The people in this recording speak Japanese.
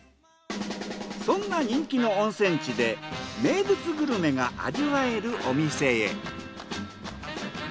そんな人気の温泉地で名物グルメが味わえるお店へ。